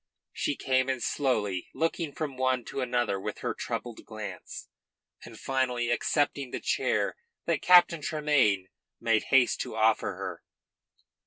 She came in slowly, looking from one to another with her troubled glance, and finally accepting the chair that Captain Tremayne made haste to offer her.